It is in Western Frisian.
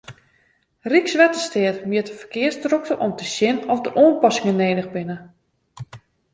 Rykswettersteat mjit de ferkearsdrokte om te sjen oft der oanpassingen nedich binne.